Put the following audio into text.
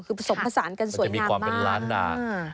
คือผสมผสานกันสวยงามมากมันจะมีความเป็นล้านนา